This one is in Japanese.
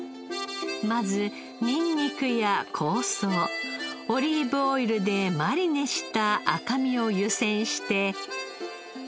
まずニンニクや香草オリーブオイルでマリネした赤身を湯煎して。